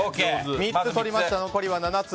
３つ取りましたので残り７つ。